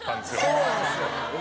そうなんですよ。